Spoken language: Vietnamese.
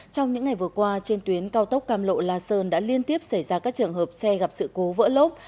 trong những ngày vừa qua trên tuyến cao tốc cam lộ la sơn đã liên tiếp xảy ra các trường hợp xe gặp sự cố vỡ lốc